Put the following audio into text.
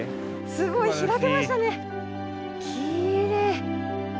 すごい開けましたねきれい。